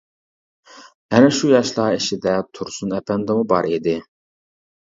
ئەنە شۇ ياشلار ئىچىدە تۇرسۇن ئەپەندىمۇ بار ئىدى.